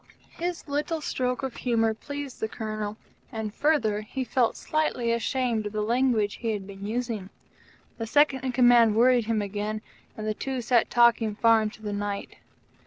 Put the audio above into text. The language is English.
His little stroke of humor pleased the Colonel, and, further, he felt slightly ashamed of the language he had been using. The Second in Command worried him again, and the two sat talking far into the night.